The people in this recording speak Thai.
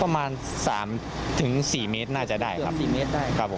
ประมาณ๓๔เมตรน่าจะได้ครับ